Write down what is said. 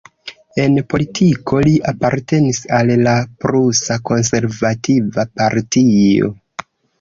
En politiko, li apartenis al la prusa konservativa partio.